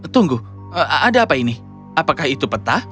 tunggu ada apa ini apakah itu peta